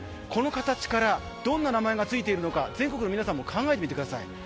この形からどんな名前が付いているのか全国の皆さんも考えてみてください。